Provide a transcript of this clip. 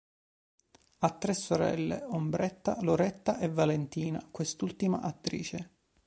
Ha tre sorelle: Ombretta, Loretta e Valentina, quest'ultima attrice.